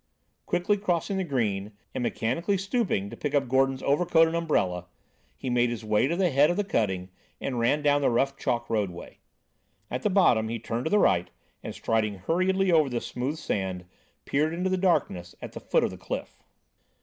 Quickly crossing the green, and mechanically stooping to pick up Gordon's overcoat and umbrella, he made his way to the head of the cutting and ran down the rough chalk roadway. At the bottom he turned to the right and, striding hurriedly over the smooth sand, peered into the darkness at the foot of the cliff.